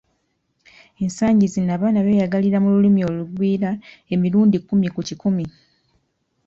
Esangi zino abaana beeyagalira mu lulimi olugwira emirundi kkumi ku kikumi.